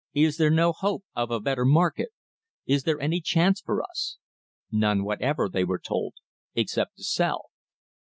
Is there no hope of a better market? Is there any chance for us? None whatever, they were told, except to sell.